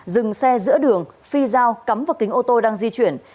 dừng xe giữa đường phi giao cắm vào kính ô tô đang di chuyển